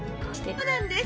そうなんです。